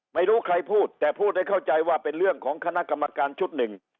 ไม่รู้ใครพูดแต่พูดให้เข้าใจว่าเป็นเรื่องของคณะกรรมการชุดหนึ่ง